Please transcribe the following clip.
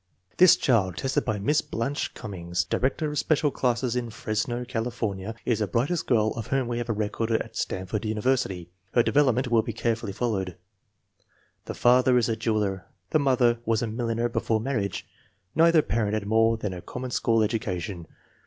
This child, tested by Miss Blanche Cummings, Di rector of Special Classes in Fresno, California, is the brightest girl of whom we have a record at Stanford University. Her development will be carefully fol lowed. The father is a jeweler; the mother was a milliner before marriage. Neither parent had more than a com mon school education.